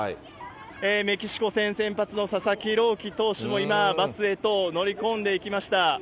メキシコ戦先発の佐々木朗希投手も今、バスへと乗り込んでいきました。